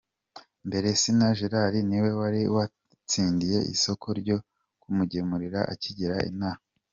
Mbere Sina Gerard ni we wari waratsindiye isoko ryo kumugemurira akigera inaha.